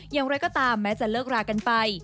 อย่างไรก็ตามแม้จะเลิกรากันไป